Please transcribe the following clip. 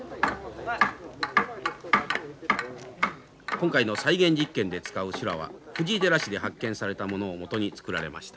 今回の再現実験で使う修羅は藤井寺市で発見されたものを基に作られました。